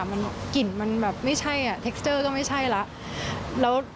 มันกลิ่นไม่ใช่เทคเตอร์ก็ไม่ใช่แล้ว